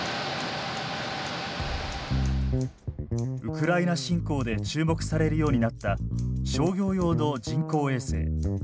ウクライナ侵攻で注目されるようになった商業用の人工衛星。